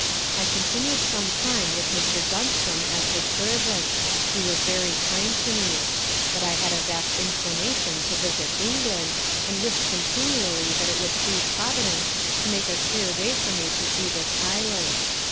I continu'd some time with Mr. Dunscum as his servant; he was very kind to me. But I had a vast inclination to visit England, and wish'd continually that it would please Providence to make a clear way for me to see this Island.